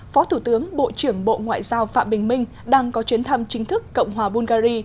phó thủ tướng bộ trưởng bộ ngoại giao phạm bình minh đang có chuyến thăm chính thức cộng hòa bungary